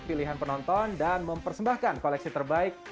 pilihan penonton dan mempersembahkan koleksi terbaik